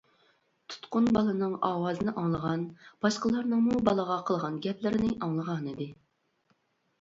تۇتقۇن بالىنىڭ ئاۋازىنى ئاڭلىغان، باشقىلارنىڭمۇ بالىغا قىلغان گەپلىرىنى ئاڭلىغانىدى.